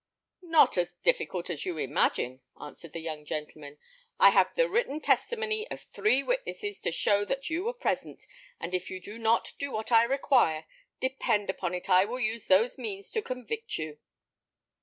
"Not so difficult as you imagine," answered the young gentleman. "I have the written testimony of three witnesses to show that you were present; and if you do not do what I require, depend upon it I will use those means to convict you."